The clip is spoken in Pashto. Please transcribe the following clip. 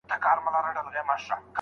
هغه ساعت، هغه غرمه، هغه د شونډو زبېښل